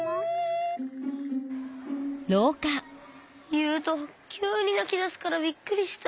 ゆうときゅうになきだすからびっくりした。